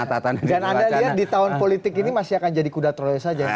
dan anda lihat di tahun politik ini masih akan jadi kuda troya saja